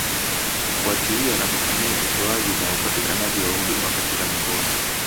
kufuatilia na kutathimini utoaji na upatikanaji wa huduma katika mikoa